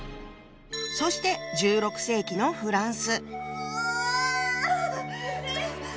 そして１６世紀のフランス。